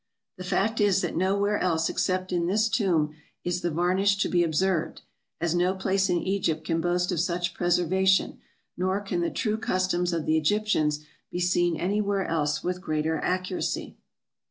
The fact is that nowhere else except in this tomb is the varnish to be observed, as no place in Egypt can boast of such preservation, nor can the true customs of the Egyptians be seen anywhere else with greater accuracy.